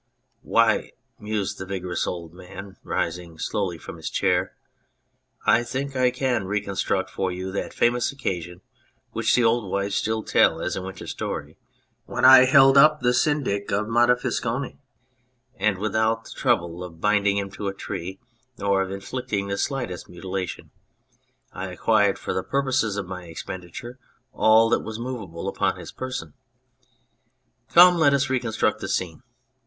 "Why," mused the vigorous old man, rising slowly from his chair, " I think I can reconstruct for you that famous occasion which the old wives still tell as a winter story, when I held up the Syndic of Montefiascone, and without the trouble of binding him to a tree nor of inflicting the slightest mutila tion, I acquired for the purposes of my expenditure all that was movable upon his person. Come, let us reconstruct the scene."